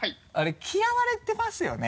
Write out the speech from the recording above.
嫌われてますよね？